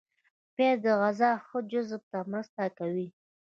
پیاز د غذا ښه جذب ته مرسته کوي